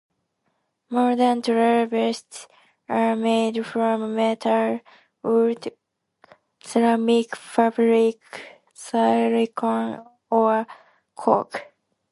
Modern trivets are made from metal, wood, ceramic, fabric, silicone or cork.